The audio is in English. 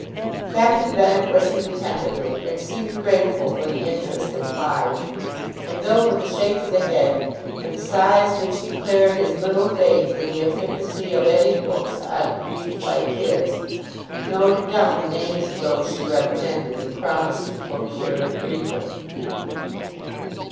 Captain Benwick listened attentively, and seemed grateful for the interest implied; and though with a shake of the head, and sighs which declared his little faith in the efficacy of any books on grief like his, noted down the names of those she recommended, and promised to procure and read them.